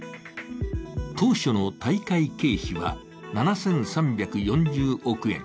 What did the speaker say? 当初の大会経費は７３４０億円。